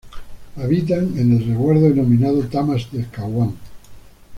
Habitan en el resguardo denominado Tamas del Caguán.